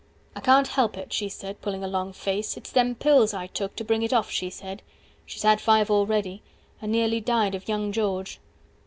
I can't help it, she said, pulling a long face, It's them pills I took, to bring it off, she said. (She's had five already, and nearly died of young George.)